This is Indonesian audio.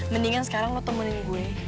mendingan sekarang lo temenin gue